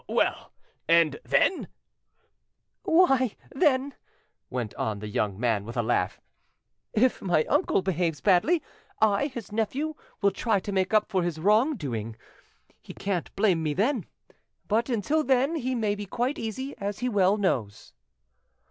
"Well, and then——" "Why, then," went on the young man, with a laugh, "if my uncle behaves badly, I, his nephew, will try to make up for his wrong doing: he can't blame me then. But until then he may be quite easy, as he well knows."